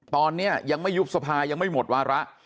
ตอนนี้ยังไม่ยุบสภายังไม่หมดวาระ